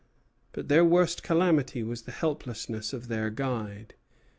But their worst calamity was the helplessness of their guide.